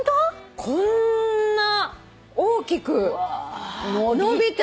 こんな大きく伸びて。